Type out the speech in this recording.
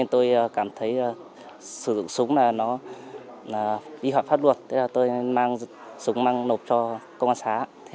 tôi cảm thấy sử dụng súng là vi hoạch pháp luật tôi nên mang súng mang nộp cho công an xá